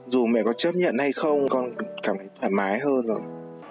dù mẹ có chấp nhận hay không con cảm thấy thoải mái hơn rồi